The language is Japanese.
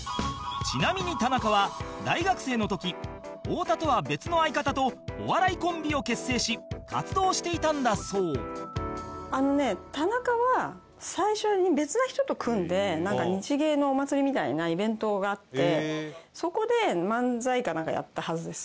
ちなみに田中は大学生の時太田とは別の相方とお笑いコンビを結成し活動していたんだそうなんか日芸のお祭りみたいなイベントがあってそこで漫才かなんかやったはずです。